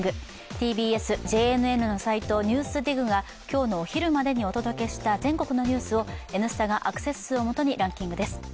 ＴＢＳ・ＪＮＮのサイト「ＮＥＷＳＤＩＧ」が今日の昼までにお届けした全国のニュースを「Ｎスタ」がアクセス数をもとにランキングです。